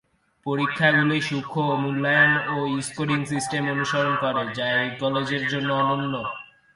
পরীক্ষাগুলি সূক্ষ্ম মূল্যায়ন এবং স্কোরিং সিস্টেম অনুসরণ করে যা এই কলেজের জন্য অনন্য।